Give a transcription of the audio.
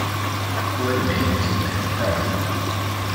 Polygamy is a thing of pride.